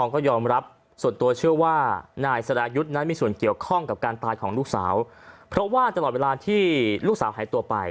ผมยืนยันเลยครับผมต้องพิสูจน์ตัวเองได้ว่า